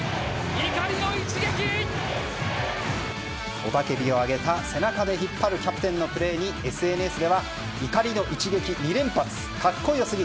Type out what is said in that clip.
雄たけびを上げた、背中で引っ張るキャプテンのプレーにＳＮＳでは、怒りの一撃２連発格好良すぎ。